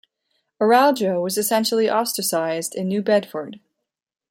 Araujo was essentially ostracized in New Bedford.